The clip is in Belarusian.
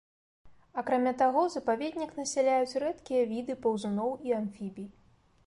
Акрамя таго запаведнік насяляюць рэдкія віды паўзуноў і амфібій.